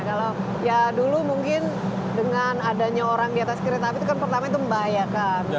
kalau ya dulu mungkin dengan adanya orang di atas kereta api itu kan pertama itu membahayakan